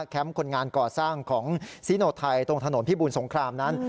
คนงานก่อสร้างของซิโนไทยตรงถนนพิบูรสงครามนั้น